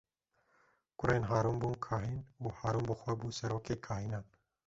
Kurên Harûn bûn kahîn û Harûn bi xwe bû serokê kahînan.